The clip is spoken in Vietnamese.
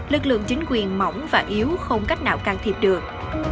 lực lượng chính quyền mỏng và yếu không cách nào can thiệp được